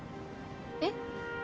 えっ？